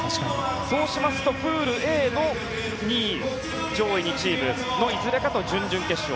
そうしますとプールＡの２位、上位２チームのいずれかと準々決勝。